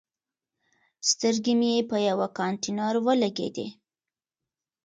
سترګې مې په یوه کانتینر ولګېدې.